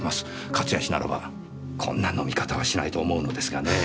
勝谷氏ならばこんな飲み方はしないと思うのですがねぇ。